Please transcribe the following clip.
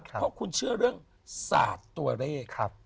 เพราะคุณเชื่อเรื่องศาสตร์ตัวเลข